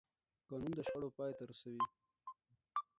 قانون د شخړو پای ته رسوي